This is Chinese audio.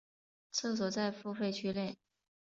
厕所在付费区内。